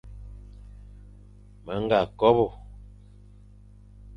Me ñga kobe,